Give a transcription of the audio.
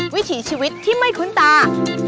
วิถีชีวิตที่ไม่คุ้นตา